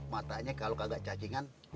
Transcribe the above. matanya kalau kagak cacingan dia akan kacau